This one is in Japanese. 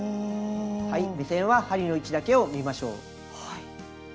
目線は針の位置だけを見ましょう。